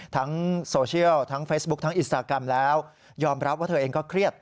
ทั้ง